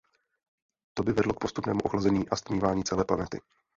To by vedlo k postupnému ochlazení a stmívání celé planety.